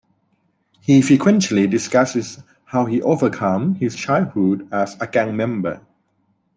He frequently discusses how he overcame his childhood as a gang member.